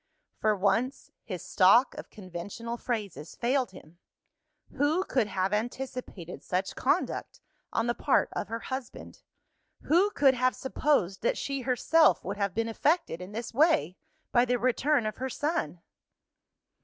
For once, his stock of conventional phrases failed him. Who could have anticipated such conduct on the part of her husband? Who could have supposed that she herself would have been affected in this way, by the return of her son?